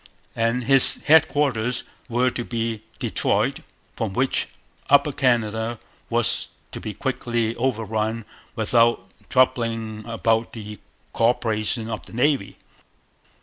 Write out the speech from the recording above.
And his headquarters were to be Detroit, from which Upper Canada was to be quickly overrun without troubling about the co operation of the Navy.